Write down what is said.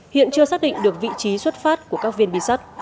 hiện chưa xác định được vị trí xuất phát của các viên bi sắt